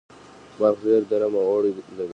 بلخ ډیر ګرم اوړی لري